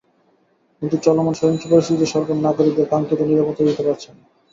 কিন্তু চলমান সহিংস পরিস্থিতিতে সরকার নাগরিকদের কাঙ্ক্ষিত নিরাপত্তা দিতে পারছে না।